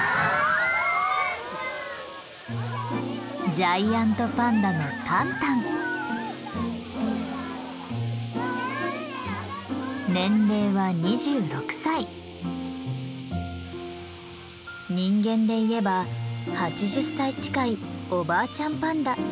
ジャイアントパンダの人間でいえば８０歳近いおばあちゃんパンダ。